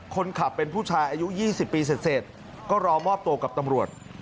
คนขับเป็นผู้ชายอายุ๒๐ปีเสร็จก็รอมอบตัวกับตำรวจ